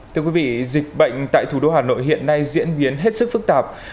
thưa quý vị dịch bệnh tại thủ đô hà nội hiện nay diễn biến hết sức phức tạp